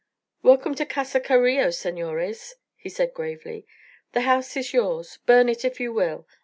"Welcome to Casa Carillo, senores," he said gravely. "The house is yours. Burn it if you will.